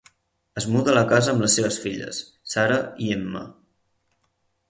Es muda a la casa amb les seves filles, Sarah i Emma.